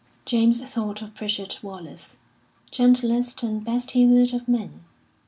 James thought of Pritchard Wallace, gentlest and best humoured of men.